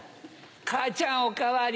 母ちゃんお代わり。